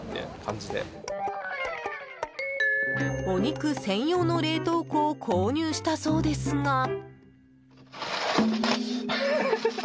お肉専用の冷凍庫を購入したそうですが。